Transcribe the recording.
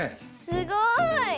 すごい。